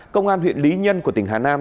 công an huyện lý nhân của tỉnh hà nam